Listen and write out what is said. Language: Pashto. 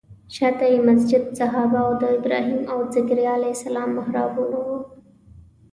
شاته یې مسجد صحابه او د ابراهیم او ذکریا علیه السلام محرابونه وو.